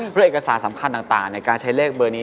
เพื่อเอกสารสำคัญต่างในการใช้เลขเบอร์นี้